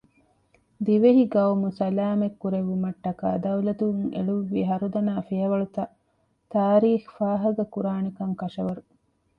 ދިވެހި ޤައުމު ސަލާމަތް ކުރެއްވުމަށްޓަކައި ދައުލަތުން އެޅުއްވި ހަރުދަނާ ފިޔަވަޅުތައް ތާރީޚް ފާހަގަކުރާނެކަން ކަށަވަރު